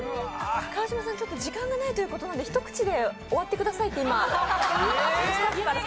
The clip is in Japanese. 川島さん、ちょっと時間がないということで、一口で終わってくださいと。